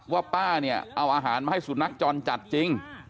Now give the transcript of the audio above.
ว่าป้าเนี่ยเอาอาหารมาให้สุนัขจรจัดจริง